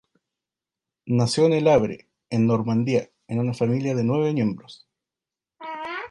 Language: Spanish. Nació en El Havre, en Normandía, en una familia de nueve miembros.